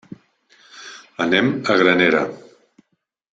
Anem a Granera.